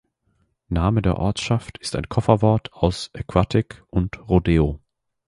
Der Name der Ortschaft ist ein Kofferwort aus "Aquatic" und "Rodeo".